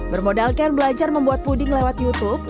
bermodalkan belajar membuat puding lewat youtube